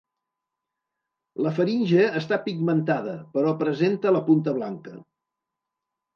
La faringe està pigmentada però presenta la punta blanca.